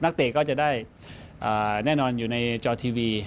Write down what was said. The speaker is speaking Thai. เตะก็จะได้แน่นอนอยู่ในจอทีวี